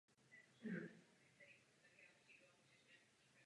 Kotlina je rozdělena údolími četných potoků.